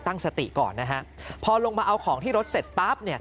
ตั้งสติก่อนนะฮะพอลงมาเอาของที่รถเสร็จปั๊บเนี่ย